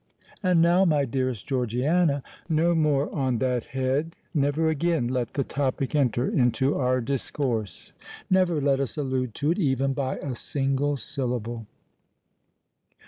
And now, my dearest Georgiana, no more on that head: never again let the topic enter into our discourse—never let us allude to it, even by a single syllable!"